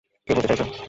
কী বলতে চাইছো?